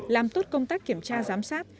làm tốt công tác kiểm tra giám sát